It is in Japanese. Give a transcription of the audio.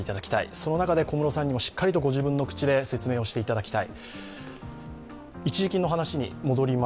その中で小室さんにもしっかりとご自分の口で説明をしていただきたい。